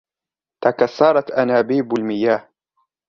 تكسرت أنابيب المياه.